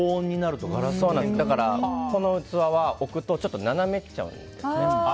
だから、この器は置くとちょっと斜めっちゃうんです。